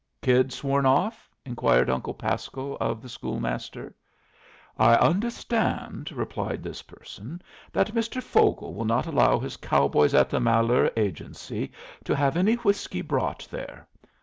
"Kid sworn off?" inquired Uncle Pasco of the school master. "I understand," replied this person, "that Mr. Vogel will not allow his cow boys at the Malheur Agency to have any whiskey brought there.